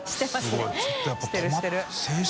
垢瓦ちょっとやっぱ止まって。